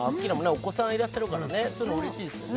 お子さんいらっしゃるからねそういうのうれしいですよね